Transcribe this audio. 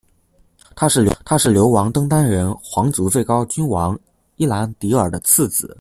他是流亡登丹人皇族最高君王伊兰迪尔的次子。